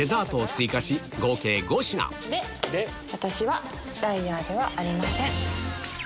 私はライアーではありません。